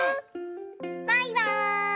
バイバーイ！